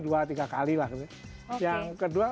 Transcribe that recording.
dua tiga kali lah yang kedua